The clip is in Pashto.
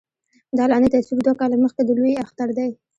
دا لاندې تصوير دوه کاله مخکښې د لوئے اختر دے